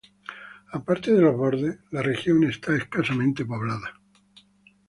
Aparte de los bordes, la región está escasamente pobladas.